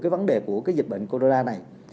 cái vấn đề của cái dịch bệnh corona này